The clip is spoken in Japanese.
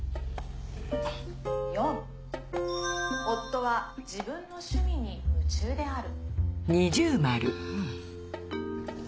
４夫は自分の趣味に夢中である。